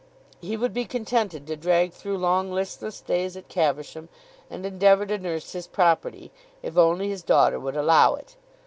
He would be contented to drag through long listless days at Caversham, and endeavour to nurse his property, if only his daughter would allow it.